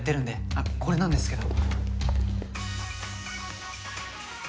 あっこれなんですけど。